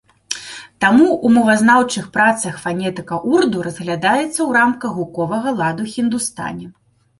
Таму ў мовазнаўчых працах фанетыка ўрду разглядаецца ў рамках гукавога ладу хіндустані.